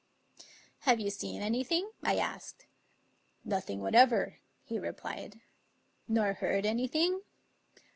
" Have you seen anything? " I asked. " Nothing whatever," he replied. " Nor heard anything?